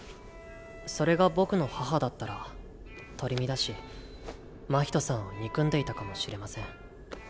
それが僕の母だったら取り乱し真人さんを憎んでいたかもしれません。